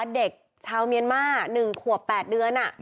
เด็กชาวเมียนมา๑ขวบ๘เดือน